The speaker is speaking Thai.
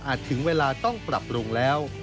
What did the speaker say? ถึงเวลาต้องปรับปรุงแล้ว